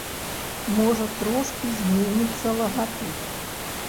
Можа трошкі зменіцца лагатып.